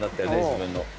自分の。